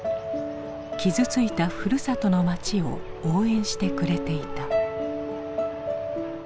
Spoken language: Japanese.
傷ついたふるさとの町を応援してくれていた。